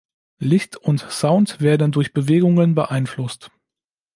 Licht und Sound werden durch Bewegungen beeinflusst.